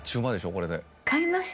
これで。